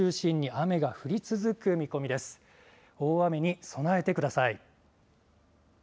大雨に備えてください。